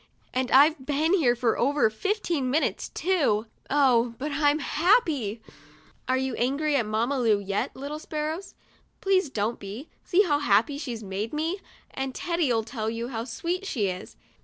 And I've been here for over fifteen minutes, too. Oh, but I'm happy ! "Are you angry at Mamma Lu yet, little sparrows? Please don't be. See how happy she's made me! And Teddy'll tell you how sweet she is.